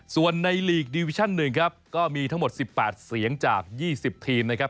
ส่วนในลีกดิวิชั่น๑ครับก็มีทั้งหมด๑๘เสียงจาก๒๐ทีมนะครับ